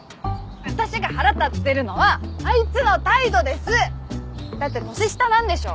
私が腹立ってるのはあいつの態度です！だって年下なんでしょ？